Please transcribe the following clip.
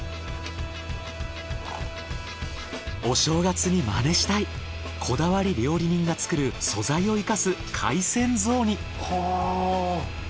お正月に真似したいこだわり料理人が作る素材を活かす海鮮雑煮。